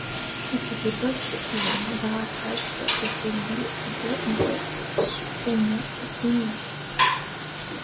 À cette époque, les madrasas étaient liées aux grands complexes sultaniens et émiraux.